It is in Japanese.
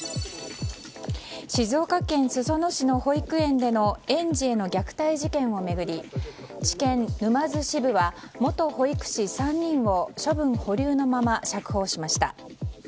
静岡県裾野市の保育園での園児への虐待事件を巡り地検沼津支部は元保育士３人を処分保留のまま釈放しました。